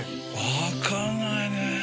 分かんないね。